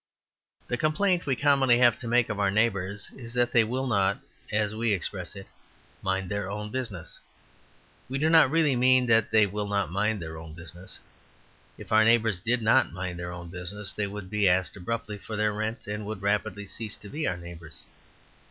The complaint we commonly have to make of our neighbours is that they will not, as we express it, mind their own business. We do not really mean that they will not mind their own business. If our neighbours did not mind their own business they would be asked abruptly for their rent, and would rapidly cease to be our neighbours.